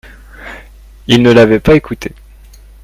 Ils ne l'avaient pas écouté.